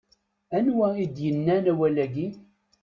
Anwa i d-yannan awal-agi?